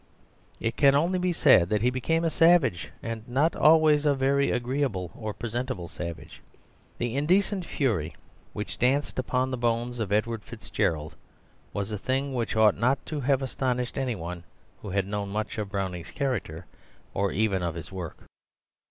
It can only be said that he became a savage, and not always a very agreeable or presentable savage. The indecent fury which danced upon the bones of Edward Fitzgerald was a thing which ought not to have astonished any one who had known much of Browning's character or even of his work.